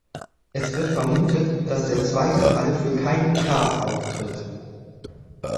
Es wird vermutet, dass der zweite Fall für kein "k" auftritt.